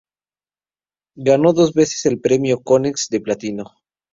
Ganó dos veces el Premio Konex de Platino.